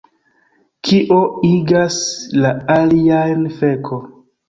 Kio igas la aliajn feko